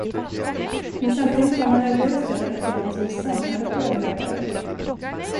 Men samtidigt var man nervös över att Jansson samlade på överlöpare.